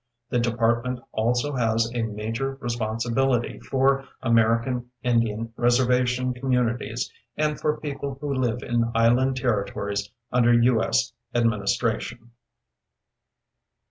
The Department also has a major responsibility for American Indian reservation communities and for people who live in island territories under U.S. administration.